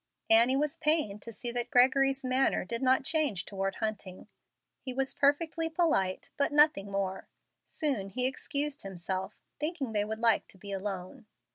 Annie was pained to see that Gregory's manner did not change toward Hunting. He was perfectly polite, but nothing more; soon he excused himself, thinking they would like to be alone.